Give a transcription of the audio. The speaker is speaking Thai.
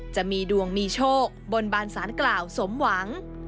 จะมีดวงมีโชคบนบานสารกล่าวสมหวัง